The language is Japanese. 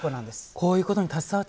こういうことに携わっ